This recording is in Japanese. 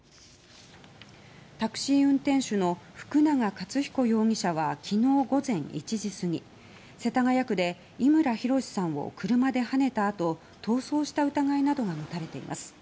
タクシー運転手の福永克彦容疑者は昨日午前１時過ぎ世田谷区で伊村周さんを車ではねたあと逃走した疑いなどが持たれています。